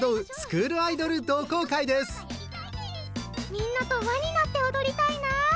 みんなと輪になって踊りたいなぁ。